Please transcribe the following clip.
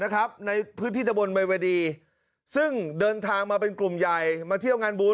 คือแม่